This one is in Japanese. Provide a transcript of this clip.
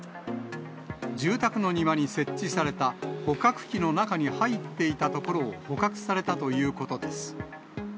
住宅の庭に設置された捕獲器の中に入っていたところを捕獲されたということです。